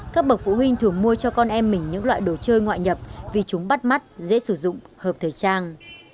các bậc phụ huynh thường mua cho con em mình những loại đồ chơi ngoại nhập vì chúng bắt mắt dễ sử dụng hợp thời trang